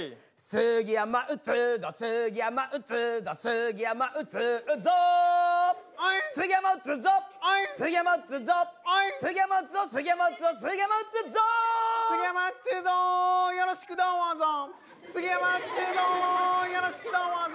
「杉山打つぞよろしくどうぞ」